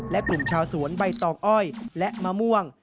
และกลุ่มชาวสวนใบตองอ้อยและมะม่วง